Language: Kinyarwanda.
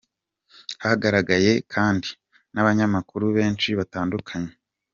– Hagaragaye kandi n’abanyamakuru benshi batandukanye.